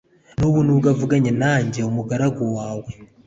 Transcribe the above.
n'ubu n’ubwo uvuganye nanjye umugaragu wawe